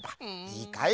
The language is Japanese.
いいかい？